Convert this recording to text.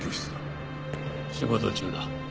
仕事中だ。